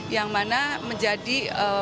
yang mana menjadi